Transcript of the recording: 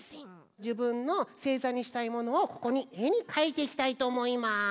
じぶんのせいざにしたいものをここにえにかいていきたいとおもいます。